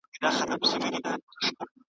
یا ړنده یم زما علاج دي نه دی کړی .